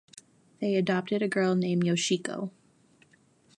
They adopted a girl named Yoshiko.